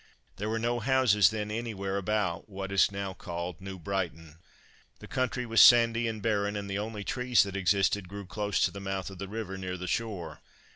There were no houses then anywhere about what is now called New Brighton. The country was sandy and barren, and the only trees that existed grew close to the mouth of the river near the shore.